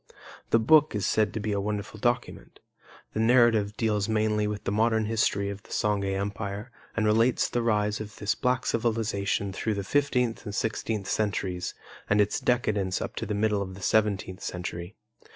The book is said to be a wonderful document. The narrative deals mainly with the modern history of the Songhay Empire, and relates the rise of this black civilization through the fifteenth and sixteenth centuries and its decadence up to the middle of the seventeenth century.